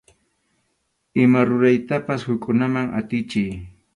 Ima ruraytapas hukkunaman atichiy.